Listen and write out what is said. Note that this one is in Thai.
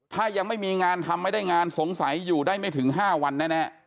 ถ้ายังไม่มีงานทำไม่ได้งานสงสัยอยู่ได้ไม่ถึง๕วันแน่